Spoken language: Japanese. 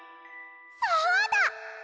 そうだ！